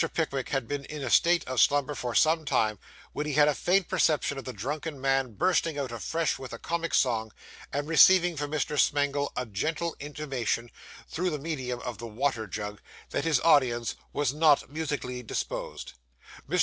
Pickwick had been in a state of slumber for some time, when he had a faint perception of the drunken man bursting out afresh with the comic song, and receiving from Mr. Smangle a gentle intimation, through the medium of the water jug, that his audience was not musically disposed. Mr.